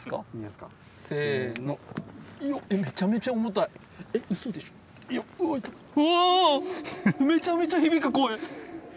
めちゃめちゃ響く声！